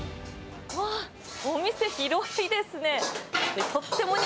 わー、お店広いですね。